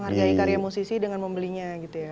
menghargai karya musisi dengan membelinya gitu ya